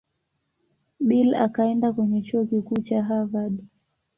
Bill akaenda kwenye Chuo Kikuu cha Harvard.